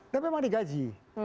dan memang digaji